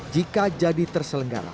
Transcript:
jika jadi terselenggaran